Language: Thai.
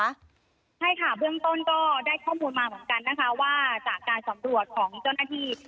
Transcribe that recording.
ใช่ค่ะเบื้องต้นก็ได้ข้อมูลมาเหมือนกันนะคะว่าจากการสำรวจของเจ้าหน้าที่